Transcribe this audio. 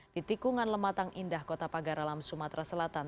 di tikungan lematang indah kota pagaralam sumatera selatan